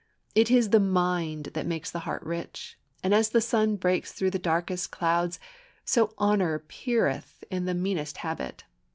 It is the mind that makes the heart rich; and as the sun breaks through the darkest clouds, so honor peereth in the meanest habit.